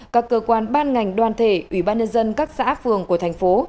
các cơ quan ban ngành đoàn thể ủy ban nhân dân các xã phường của thành phố